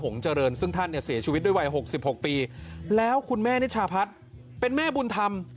เจริญซึ่งท่านเนี่ยเสียชีวิตด้วยวัย๖๖ปีแล้วคุณแม่นิชาพัฒน์เป็นแม่บุญธรรม